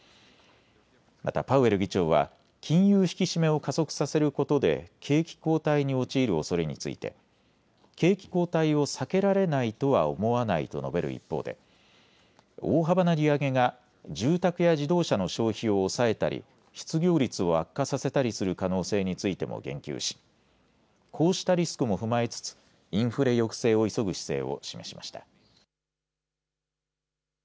また、パウエル議長は金融引き締めを加速させることで景気後退に陥るおそれについて景気後退を避けられないとは思わないと述べる一方で大幅な利上げが住宅や自動車の消費を抑えたり失業率を悪化させたりする可能性についても言及しこうしたリスクも踏まえつつインフレ抑制を急ぐ姿勢を示しました。